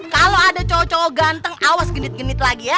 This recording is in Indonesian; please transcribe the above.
kalau ada cocok ganteng awas genit genit lagi ya